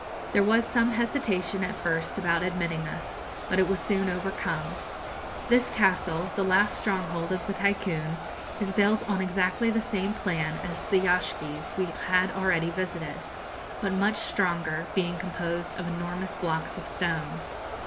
There was some hesitation at first about admitting us; but it was soon overcome. This castle, the last stronghold of the Tycoon, is built on exactly the same plan as the yashgis we had already visited, but much stronger, being composed of enormous blocks of stone.